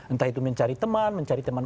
entah itu mencari teman mencari teman